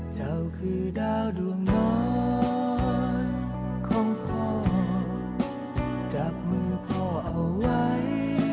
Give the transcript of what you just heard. เจ้าคือดาวดวงน้อยของพ่อจับมือพ่อเอาไว้